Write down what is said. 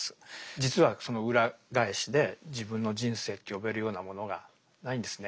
実はその裏返しで自分の人生と呼べるようなものがないんですね。